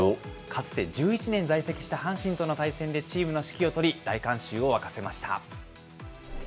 かつて１１年在籍した阪神との対戦でチームの指揮を執り、大観衆を沸かせました。